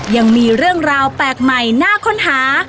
ยังมีเรื่องราวแปลกใหม่น่าค้นหา